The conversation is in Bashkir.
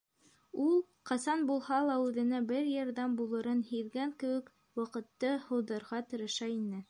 Ул, ҡасан булһа ла үҙенә бер ярҙам булырын һиҙгән кеүек, ваҡытты һуҙырға тырыша ине.